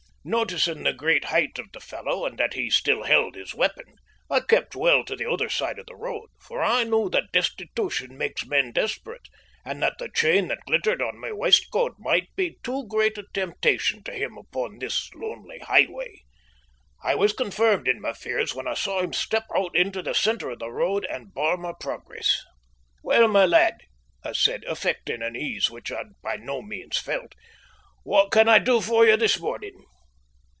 Noticing the great height of the fellow and that he still held his weapon, I kept well to the other side of the road, for I knew that destitution makes men desperate and that the chain that glittered on my waistcoat might be too great a temptation to him upon this lonely highway. I was confirmed in my fears when I saw him step out into the centre of the road and bar my progress. "Well, my lad," I said, affecting an ease which I by no means felt, "what can I do for you this morning?"